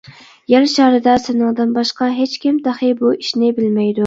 يەر شارىدا سېنىڭدىن باشقا ھېچكىم تېخى بۇ ئىشنى بىلمەيدۇ.